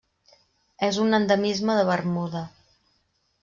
És un endemisme de Bermuda.